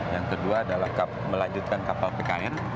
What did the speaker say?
yang kedua adalah melanjutkan kapal pkn